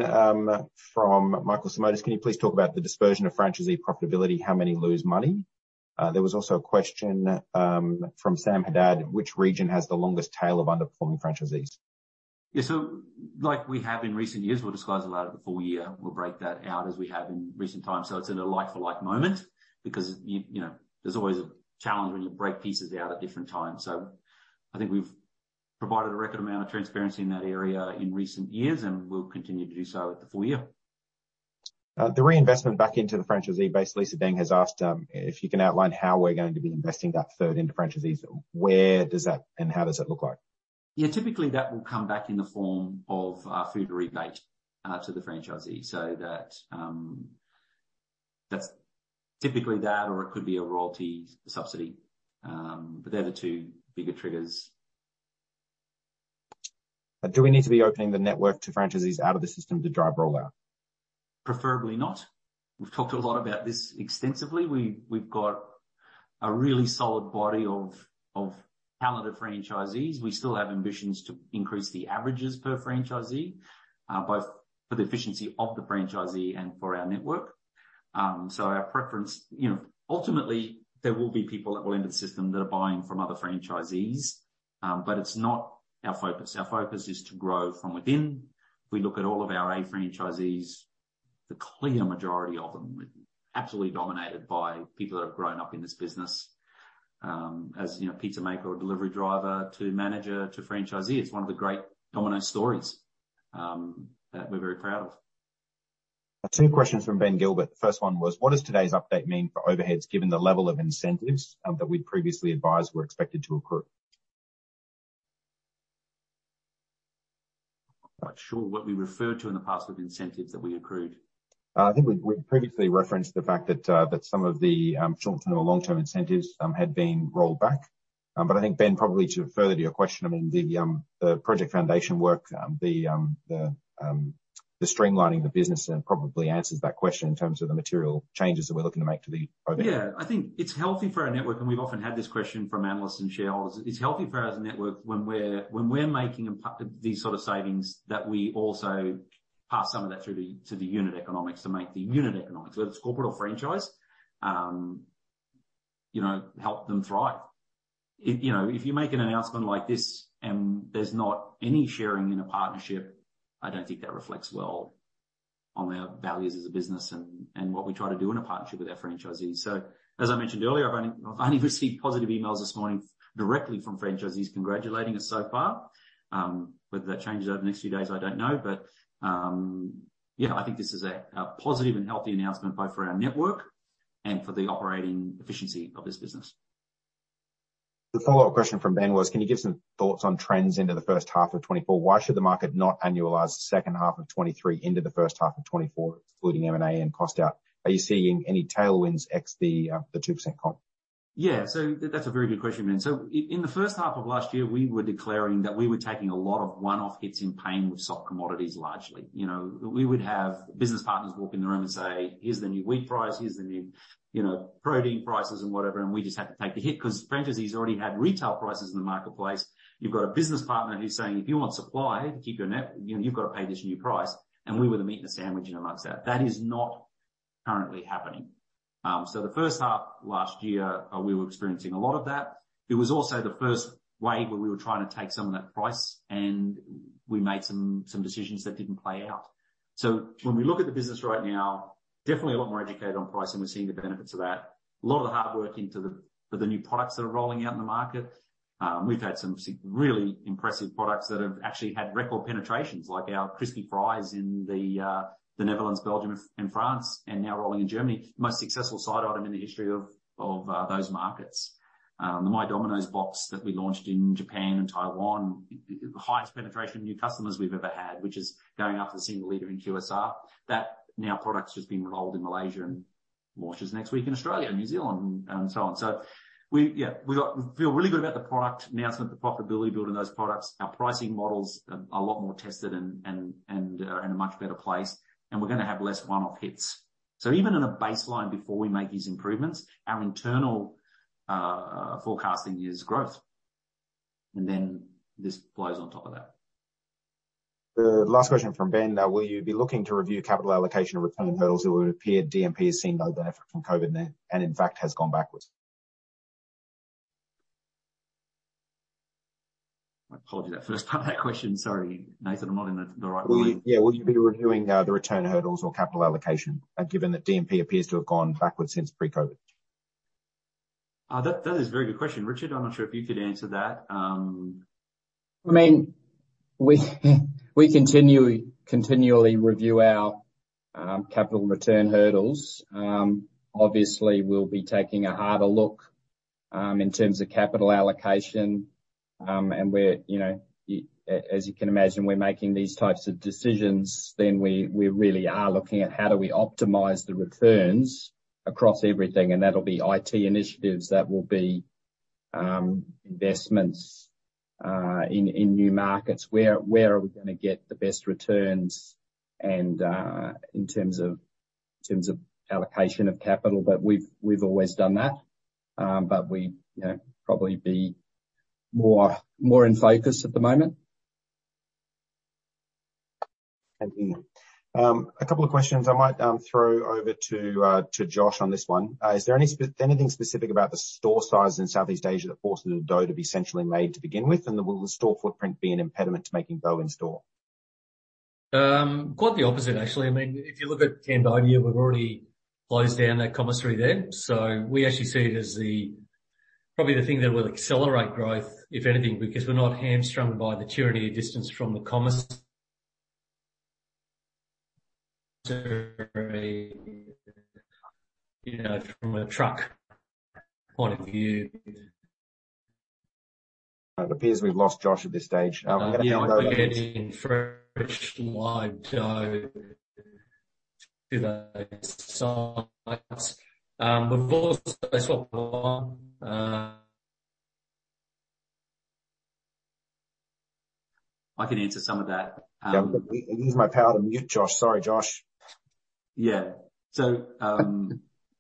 from Michael Simotas. Can you please talk about the dispersion of franchisee profitability? How many lose money? There was also a question from Sam Haddad. Which region has the longest tail of underperforming franchisees? Yeah, so like we have in recent years, we'll disclose a lot of the full year. We'll break that out as we have in recent times. So it's in a like-for-like moment because, you know, there's always a challenge when you break pieces out at different times. So I think we've provided a record amount of transparency in that area in recent years and we'll continue to do so at the full year. The reinvestment back into the franchisee base. Lisa Deng has asked if you can outline how we're going to be investing that third into franchisees. Where does that and how does it look like? Yeah, typically that will come back in the form of a food rebate to the franchisee. So that's typically that or it could be a royalty subsidy. But they're the two bigger triggers. Do we need to be opening the network to franchisees out of the system to drive rollout? Preferably not. We've talked a lot about this extensively. We've got a really solid body of talented franchisees. We still have ambitions to increase the averages per franchisee, both for the efficiency of the franchisee and for our network. So our preference, you know, ultimately there will be people that will enter the system that are buying from other franchisees, but it's not our focus. Our focus is to grow from within. If we look at all of our franchisees, the clear majority of them are absolutely dominated by people that have grown up in this business as, you know, pizza maker or delivery driver to manager to franchisee. It's one of the great Domino's stories that we're very proud of. Two questions from Ben Gilbert. First one was, what does today's update mean for overheads given the level of incentives that we'd previously advised were expected to accrue? Not sure what we referred to in the past with incentives that we accrued. I think we previously referenced the fact that some of the short-term and long-term incentives had been rolled back. But I think Ben, probably to further your question, I mean, the Project Foundation work, the streamlining the business probably answers that question in terms of the material changes that we're looking to make to the overhead. Yeah, I think it's healthy for our network, and we've often had this question from analysts and shareholders. It's healthy for our network when we're making these sort of savings that we also pass some of that through to the unit economics to make the unit economics, whether it's corporate or franchise, you know, help them thrive. You know, if you make an announcement like this and there's not any sharing in a partnership, I don't think that reflects well on our values as a business and what we try to do in a partnership with our franchisees. As I mentioned earlier, I've only received positive emails this morning directly from franchisees congratulating us so far. Whether that changes over the next few days, I don't know. But yeah, I think this is a positive and healthy announcement both for our network and for the operating efficiency of this business. The follow-up question from Ben was, can you give some thoughts on trends into the first half of 2024? Why should the market not annualize the second half of 2023 into the first half of 2024, including M&A and cost out? Are you seeing any tailwinds ex the 2% comp? Yeah, so that's a very good question, Ben. So in the first half of last year, we were declaring that we were taking a lot of one-off hits in pain with soft commodities largely. You know, we would have business partners walk in the room and say, here's the new wheat price, here's the new, you know, protein prices and whatever, and we just had to take the hit because franchisees already had retail prices in the marketplace. You've got a business partner who's saying, if you want supply to keep your net, you know, you've got to pay this new price. And we were the meat and the sandwich in amongst that. That is not currently happening. So the first half last year, we were experiencing a lot of that. It was also the first wave where we were trying to take some of that price and we made some decisions that didn't play out. So when we look at the business right now, definitely a lot more educated on price and we're seeing the benefits of that. A lot of the hard work into the new products that are rolling out in the market. We've had some really impressive products that have actually had record penetrations, like our Crispy Fries in the Netherlands, Belgium, and France, and now rolling in Germany, the most successful side item in the history of those markets. The My Domino's Box that we launched in Japan and Taiwan, the highest penetration of new customers we've ever had, which is going after the single leader in QSR. That now product's just been rolled in Malaysia and launches next week in Australia and New Zealand and so on. So we, yeah, we feel really good about the product announcement, the profitability building of those products. Our pricing models are a lot more tested and a much better place, and we're going to have less one-off hits. So even in a baseline before we make these improvements, our internal forecasting is growth. And then this blows on top of that. The last question from Ben: will you be looking to review capital allocation and return hurdles that would appear DPE has seen no benefit from COVID and in fact has gone backwards? My apologies that first part of that question. Sorry, Nathan, I'm not in the right way. Yeah, will you be reviewing the return hurdles or capital allocation given that DPE appears to have gone backwards since pre-COVID? That is a very good question, Richard. I'm not sure if you could answer that. I mean, we continually review our capital return hurdles. Obviously, we'll be taking a harder look in terms of capital allocation. And we're, you know, as you can imagine, we're making these types of decisions, then we really are looking at how do we optimize the returns across everything. And that'll be IT initiatives that will be investments in new markets. Where are we going to get the best returns in terms of allocation of capital? But we've always done that. But we'll probably be more in focus at the moment. Thank you. A couple of questions I might throw over to Josh on this one. Is there anything specific about the store size in Southeast Asia that forces a dough to be centrally made to begin with? And will the store footprint be an impediment to making dough in store? Quite the opposite, actually. I mean, if you look at Cambodia, we've already closed down that commissary there. So we actually see it as probably the thing that will accelerate growth, if anything, because we're not hamstrung by the tyranny of distance from the commissary, you know, from a truck point of view. It appears we've lost Josh at this stage. I'm going to have to go and fetch live dough to the sites. We've also swapped one. I can answer some of that. I'll use my power to mute Josh. Sorry, Josh. Yeah. So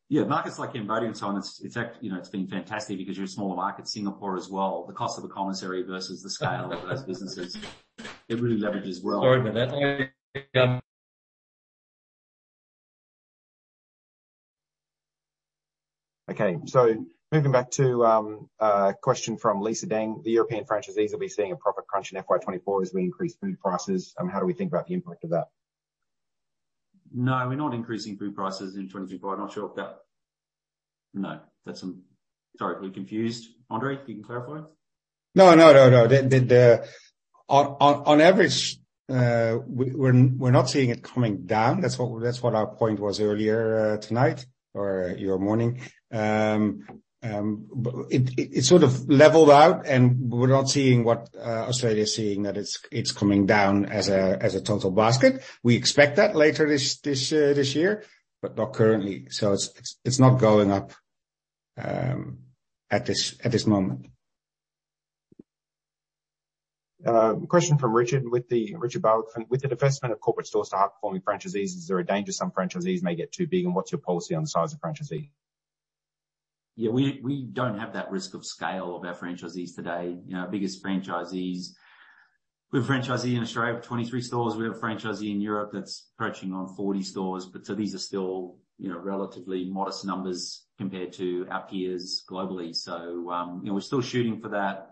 yeah, markets like Cambodia and so on, it's actually, you know, it's been fantastic because you're a smaller market, Singapore as well. The cost of a commissary versus the scale of those businesses, it really leverages well. Sorry about that. Okay. So moving back to a question from Lisa Deng, the European franchisees will be seeing a profit crunch in FY24 as we increase food prices. How do we think about the impact of that? No, we're not increasing food prices in 2024. I'm not sure if that—no, that's a—sorry, we're confused. Andre, you can clarify. No, no, no, no. On average, we're not seeing it coming down. That's what our point was earlier tonight or your morning. It's sort of leveled out, and we're not seeing what Australia is seeing, that it's coming down as a total basket. We expect that later this year, but not currently. So it's not going up at this moment. Question from Richard with the investment of corporate stores to high-performing franchisees. Is there a danger some franchisees may get too big, and what's your policy on the size of franchisees? Yeah, we don't have that risk of scale of our franchisees today. Our biggest franchisees, we have a franchisee in Australia with 23 stores. We have a franchisee in Europe that's approaching on 40 stores. But so these are still, you know, relatively modest numbers compared to our peers globally. So, you know, we're still shooting for that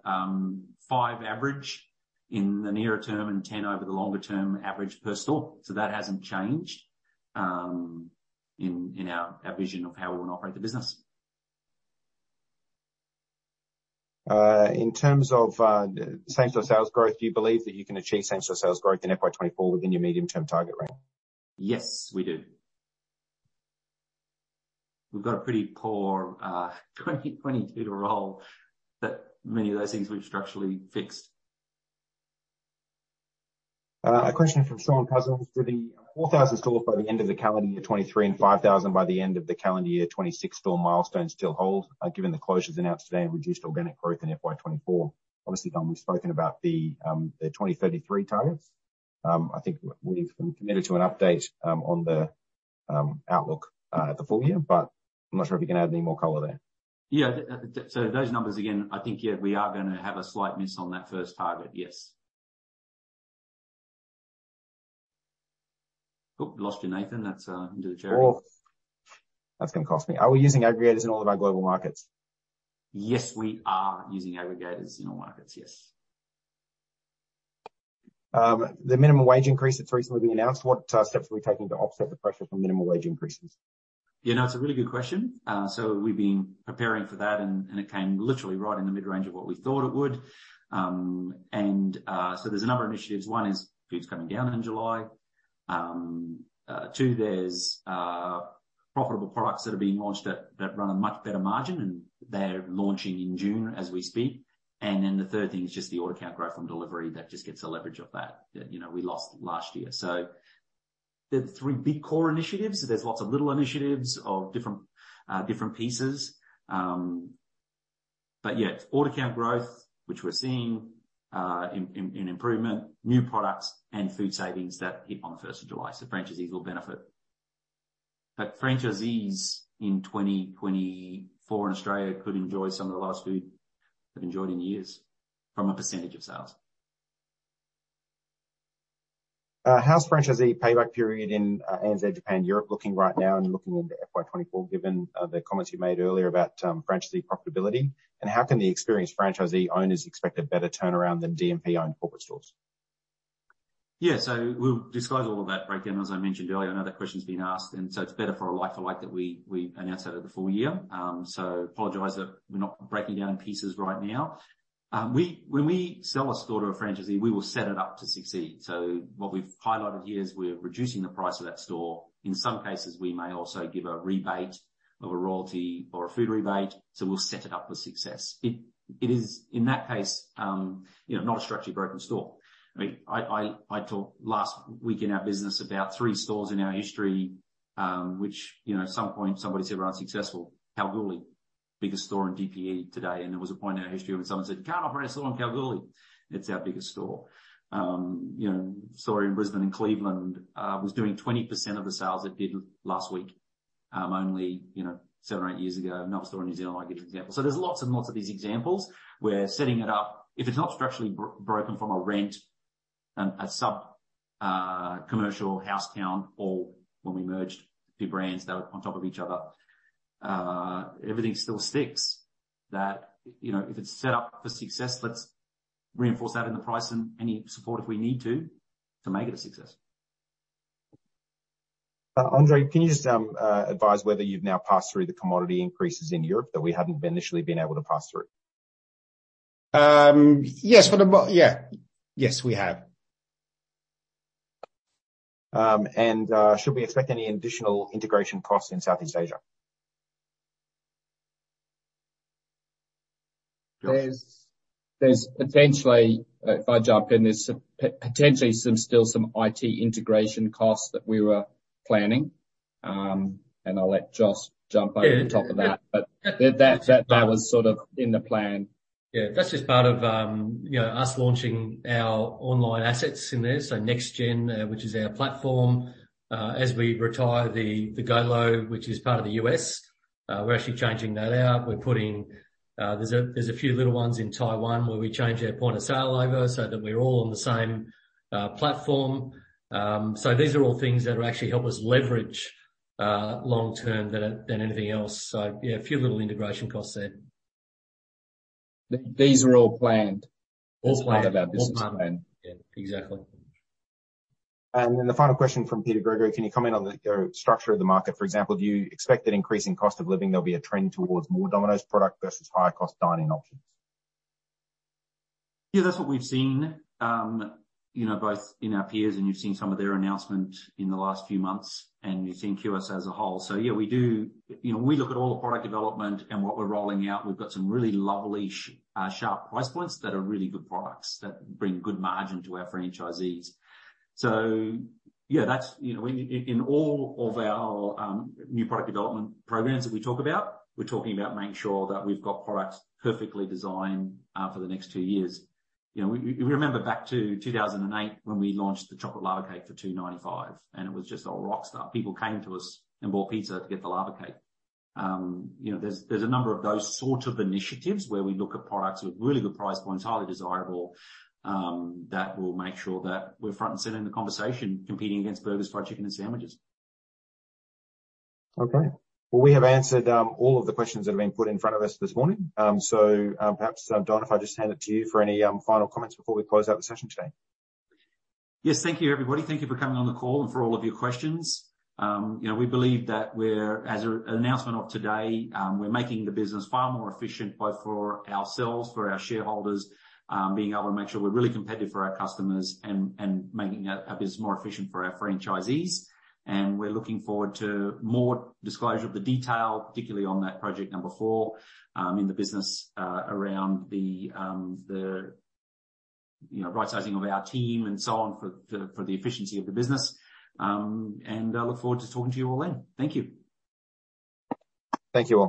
five average in the nearer term and 10 over the longer term average per store. So that hasn't changed in our vision of how we want to operate the business. In terms of same-store sales growth, do you believe that you can achieve same-store sales growth in FY 2024 within your medium-term target range? Yes, we do. We've got a pretty poor 2022 to roll that many of those things we've structurally fixed. A question from Shaun Cousins. Do the 4,000 stores by the end of the calendar year 2023 and 5,000 by the end of the calendar year 2026 store milestones still hold given the closures announced today and reduced organic growth in FY 2024? Obviously, we've spoken about the 2033 targets. I think we've committed to an update on the outlook at the full year, but I'm not sure if you can add any more color there. Yeah. So those numbers, again, I think, yeah, we are going to have a slight miss on that first target. Yes. Oh, lost you, Nathan. That's into the cherry. That's going to cost me. Are we using aggregators in all of our global markets? Yes, we are using aggregators in all markets. Yes. The minimum wage increase that's recently been announced, what steps are we taking to offset the pressure from minimum wage increases? Yeah, no, it's a really good question. So we've been preparing for that, and it came literally right in the mid-range of what we thought it would. And so there's a number of initiatives. One is food's coming down in July. Two, there's profitable products that are being launched that run a much better margin, and they're launching in June as we speak. And then the third thing is just the order count growth from delivery that just gets a leverage of that, you know, we lost last year. So there are three big core initiatives. There's lots of little initiatives of different pieces. But yeah, order count growth, which we're seeing in improvement, new products, and food savings that hit on the 1st of July. So franchisees will benefit. But franchisees in 2024 in Australia could enjoy some of the lowest food they've enjoyed in years from a percentage of sales. How's franchisee payback period in ANZ, Japan, Europe looking right now and looking into FY 2024 given the comments you made earlier about franchisee profitability? And how can the experienced franchisee owners expect a better turnaround than DMP-owned corporate stores? Yeah, so we'll disclose all of that breakdown as I mentioned earlier. I know that question's been asked, and so it's better for a like for like that we announced out of the full year, so apologize that we're not breaking down in pieces right now. When we sell a store to a franchisee, we will set it up to succeed. So what we've highlighted here is we're reducing the price of that store. In some cases, we may also give a rebate of a royalty or a food rebate. So we'll set it up for success. It is, in that case, you know, not a structurally broken store. I mean, I talked last week in our business about three stores in our history, which, you know, at some point somebody said we're unsuccessful. Kalgoorlie, biggest store in DPE today. There was a point in our history when someone said, "You can't operate a store in Kalgoorlie." It's our biggest store. You know, a store in Brisbane and Cleveland was doing 20% of the sales it did last week only, you know, seven or eight years ago. Another store in New Zealand, I'll give you an example. So there's lots and lots of these examples where setting it up, if it's not structurally broken from a rent and a sub-commercial house count, or when we merged a few brands that were on top of each other, everything still sticks that, you know, if it's set up for success, let's reinforce that in the price and any support if we need to to make it a success. Andre, can you just advise whether you've now passed through the commodity increases in Europe that we hadn't initially been able to pass through? Yes, for the, yeah, yes, we have. And should we expect any additional integration costs in Southeast Asia? There's potentially, if I jump in, there's potentially still some IT integration costs that we were planning. And I'll let Josh jump over the top of that. But that was sort of in the plan. Yeah, that's just part of, you know, us launching our online assets in there. So NextGen, which is our platform, as we retire the GOLO, which is part of the US, we're actually changing that out. We're putting. There's a few little ones in Taiwan where we change our point of sale over so that we're all on the same platform. These are all things that will actually help us leverage long-term than anything else. So yeah, a few little integration costs there. These are all planned. All planned. All part of our business plan. Yeah, exactly. And then the final question from Peter Gregory. Can you comment on the structure of the market? For example, do you expect that increasing cost of living there will be a trend towards more Domino's product versus higher-cost dining options? Yeah, that's what we've seen, you know, both in our peers, and you've seen some of their announcement in the last few months, and you've seen QSR as a whole. So yeah, we do, you know, we look at all the product development and what we're rolling out. We've got some really lovely, sharp price points that are really good products that bring good margin to our franchisees. Yeah, that's, you know, in all of our new product development programs that we talk about, we're talking about making sure that we've got products perfectly designed for the next two years. You know, we remember back to 2008 when we launched the Chocolate Lava Cake for 2.95, and it was just a rockstar. People came to us and bought pizza to get the Lava Cake. You know, there's a number of those sort of initiatives where we look at products with really good price points, highly desirable, that will make sure that we're front and center in the conversation, competing against burgers, fried chicken, and sandwiches. Okay. Well, we have answered all of the questions that have been put in front of us this morning. So perhaps, Don, if I just hand it to you for any final comments before we close out the session today. Yes, thank you, everybody. Thank you for coming on the call and for all of your questions. You know, we believe that we're, as an announcement of today, we're making the business far more efficient, both for ourselves, for our shareholders, being able to make sure we're really competitive for our customers and making our business more efficient for our franchisees. We're looking forward to more disclosure of the detail, particularly on that project number four in the business around the, you know, right-sizing of our team and so on for the efficiency of the business. I look forward to talking to you all then. Thank you. Thank you all.